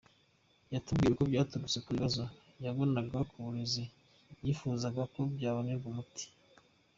Yatubwiye ko byaturutse ku bibazo yabonaga mu burezi yifuzaga ko byabonerwa umuti;.